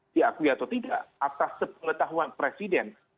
diakui atau tidak atas sepengetahuan presiden